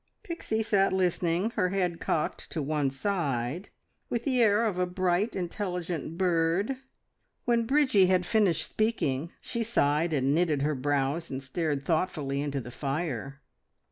Pixie sat listening, her head cocked to one side, with the air of a bright, intelligent bird. When Bridgie had finished speaking she sighed and knitted her brows, and stared thoughtfully into the fire.